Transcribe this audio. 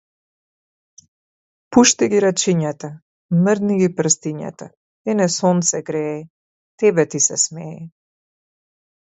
Пушти ги рачињата, мрдни ги прстињата, ене сонце грее, тебе ти се смее.